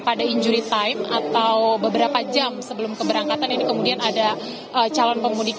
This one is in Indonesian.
pada injury time atau beberapa jam sebelum keberangkatan ini kemudian ada calon pemudik